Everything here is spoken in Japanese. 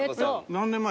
何年前？